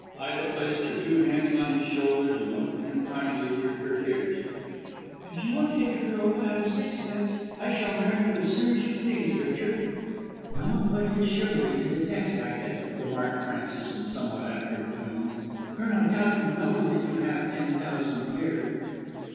Ida placed her two hands on his shoulders and looked at him kindly through her tears. "If you will take a girl without a sixpence, I shall marry you as soon as you please, Richard." "Don't put his chivalry to the test, Ida," remarked Frances in somewhat acrid tones. "Colonel Towton knows that you have ten thousand a year."